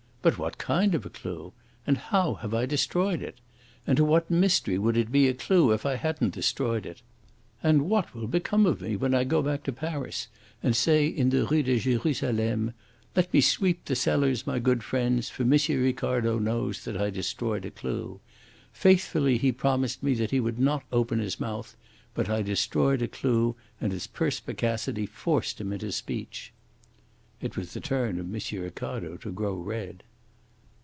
But what kind of a clue? And how have I destroyed it? And to what mystery would it be a clue if I hadn't destroyed it? And what will become of me when I go back to Paris, and say in the Rue de Jerusalem, 'Let me sweep the cellars, my good friends, for M. Ricardo knows that I destroyed a clue. Faithfully he promised me that he would not open his mouth, but I destroyed a clue, and his perspicacity forced him into speech.'" It was the turn of M. Ricardo to grow red.